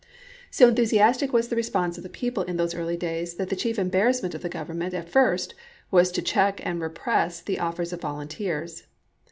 So enthusiastic was the response of the people in those early days that the chief embarrassment of the Government at first was to check and repress the offers of volunteers.